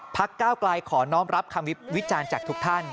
ก้าวกลายขอน้องรับคำวิจารณ์จากทุกท่าน